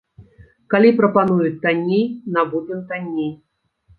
Калі прапануюць танней, набудзем танней.